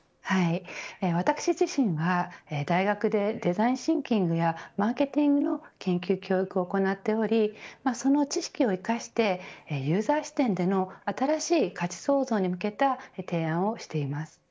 私自身は大学でデザインシンキングやマーケティングの研究、教育を行っておりその知識を生かしてユーザー視点での新しい価値創造に向けた提案をしています。